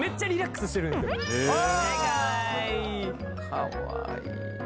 かわいい。